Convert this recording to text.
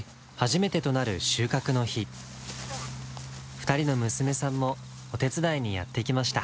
２人の娘さんもお手伝いにやってきました。